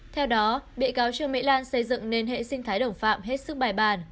theo đó bị cáo trường mỹ lan xây dựng nên hệ sinh thái đồng phạm hết sức bài bàn